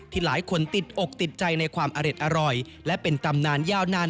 หลายคนติดอกติดใจในความอร่อยและเป็นตำนานยาวนาน